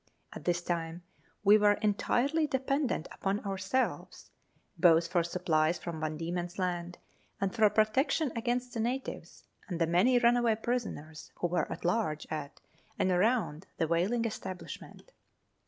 At this time we were entirely dependent upon ourselves, both for supplies from Van Diemen's Land and for protection against the natives and the many runaway prisoners who were at large at and around the whaling establishment.